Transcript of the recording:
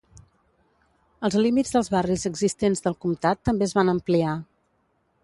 Els límits dels barris existents del comtat també es van ampliar.